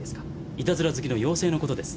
いたずら好きの妖精のことです。